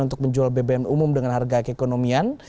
untuk menjual bbm umum dengan harga keekonomian